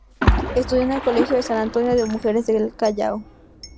Estudió en el Colegio San Antonio de Mujeres del Callao.